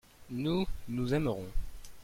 nous, nous aimerons.